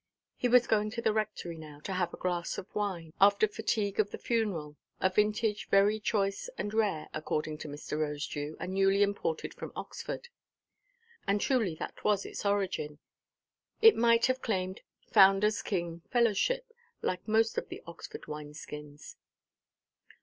He was going to the Rectory now, to have a glass of wine, after fatigue of the funeral, a vintage very choice and rare, according to Mr. Rosedew, and newly imported from Oxford. And truly that was its origin. It might have claimed "founderʼs kin fellowship," like most of the Oxford wine–skins.